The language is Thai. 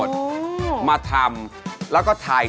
สวัสดีครับ